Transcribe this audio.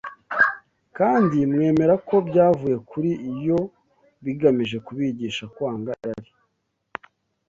kandi mwemera ko byavuye kuri yo, bigamije kubigisha kwanga irari